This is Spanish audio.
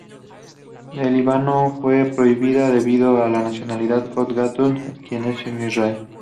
En Líbano fue prohibida debido a la nacionalidad de Gal Gadot, quien es israelí.